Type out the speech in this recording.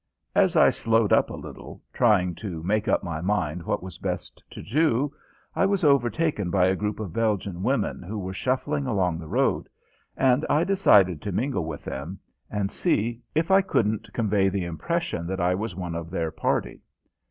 As I slowed up a little, trying to make up my mind what was best to do, I was overtaken by a group of Belgian women who were shuffling along the road, and I decided to mingle with them and see if I couldn't convey the impression that I was one of their party.